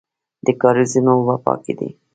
د کاریزونو اوبه پاکې دي